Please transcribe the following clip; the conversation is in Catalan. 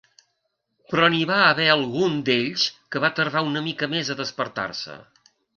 Però n'hi va haver algun d'ells que va tardar una mica més a despertar-se.